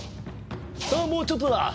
さあもうちょっとだ！